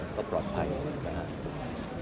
ก็ปลอดภัยนะครับ